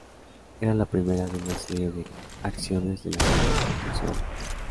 Era la primera de una serie de acciones de la justicia contra su obra.